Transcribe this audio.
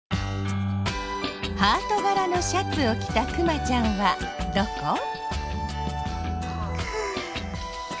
ハートがらのシャツをきたクマちゃんはどこ？